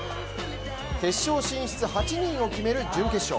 決勝進出８人を決める準決勝。